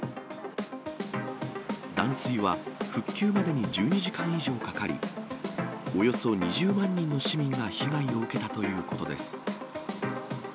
断水は復旧までに１２時間以上かかり、およそ２０万人の市民が被害を受けたということです。